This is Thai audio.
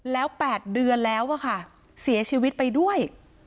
แล้ว๘เดือนแล้วอะค่ะเสียชีวิตไปด้วย